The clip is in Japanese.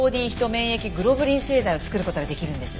免疫グロブリン製剤を作る事ができるんです。